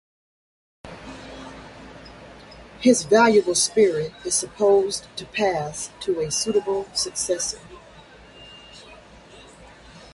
His valuable spirit is supposed to pass to a suitable successor.